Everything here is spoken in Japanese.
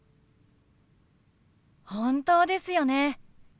本当ですよね。